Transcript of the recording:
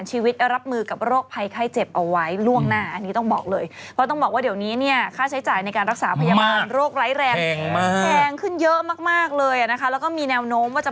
ชาวบ้านก็เลยคิดว่าอู้วเนี่ยแหละคือพญานาคแน่นอน